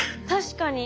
確かに。